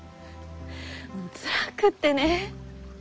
もうつらくってね。